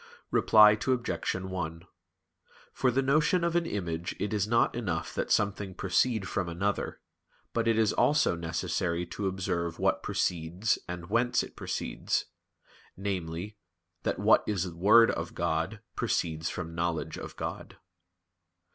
Reply Obj. 1: For the notion of an image it is not enough that something proceed from another, but it is also necessary to observe what proceeds and whence it proceeds; namely, that what is Word of God proceeds from knowledge of God.